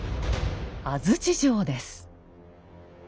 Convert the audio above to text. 安土城です。